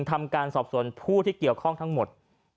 ทำการสอบส่วนผู้ที่เกี่ยวข้องทั้งหมด